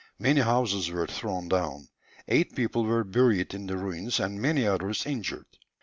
Many houses were thrown down, eight people were buried in the ruins, and many others injured.